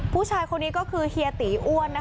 ผู้ชายคนนี้ก็คือเฮียตีอ้วน